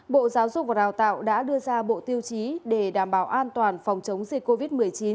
bộ giáo dục và đào tạo đã đưa ra bộ tiêu chí để đảm bảo an toàn phòng chống dịch covid một mươi chín